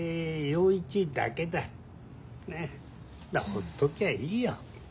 ほっときゃいいよ。